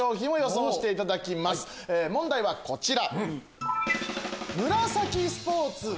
問題はこちら。